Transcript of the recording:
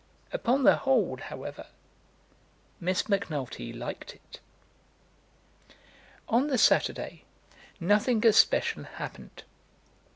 Upon the whole, however, Miss Macnulty liked it. On the Saturday nothing especial happened. Mr.